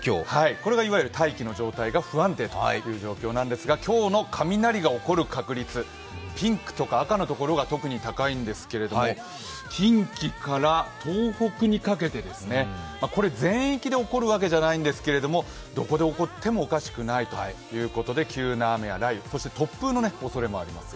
これがいわゆる大気の状態が不安定という状況なんですが今日の雷が起こる確率、ピンクとか赤のところが特に高いんですけれども近畿から東北にかけて、これ、全域で起こるわけではないんですけれども、どこで起こってもおかしくないということで急な雨や雷雨、突風のおそれもあります。